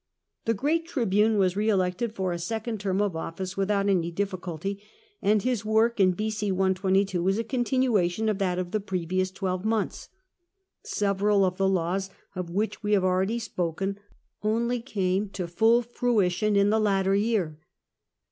The great tribune was re elected for a second term of office without any difficulty, and his work in B.C. 122 was a continuation of that of the previous twelve months. Several of the laws of which we have already spoken only came to full fruition in the latter year.